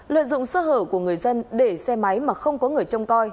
lợi dụng sơ hở của người dân để xe máy mà không có người trông coi